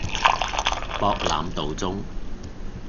博覽道中